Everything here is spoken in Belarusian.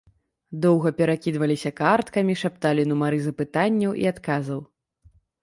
Доўга перакідваліся карткамі, шапталі нумары запытанняў і адказаў.